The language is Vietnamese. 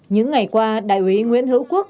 những ngày qua đại úy nguyễn hữu quốc